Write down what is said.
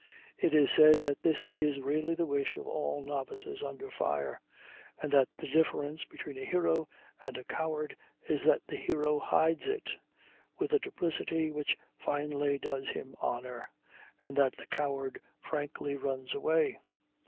It is said that this is really the wish of all novices under fire, and that the difference between a hero and a coward is that the hero hides it, with a duplicity which finally does him honor, and that the coward frankly runs away.